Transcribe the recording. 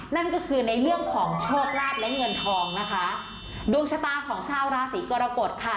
นั่นก็คือในเรื่องของโชคลาภและเงินทองนะคะดวงชะตาของชาวราศีกรกฎค่ะ